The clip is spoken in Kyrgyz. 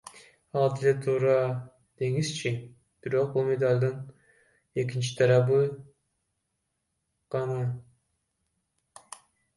Ал деле туура деңизчи, бирок бул медалдын экинчи тарабы гана.